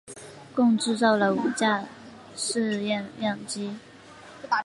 共制造了五架试验样机。